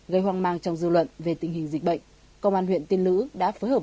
gây hoang mang trong dư luận về tình hình dịch bệnh công an huyện tiên lữ đã phối hợp